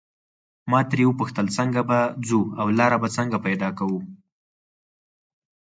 ما ترې وپوښتل څنګه به ځو او لاره به څنګه پیدا کوو.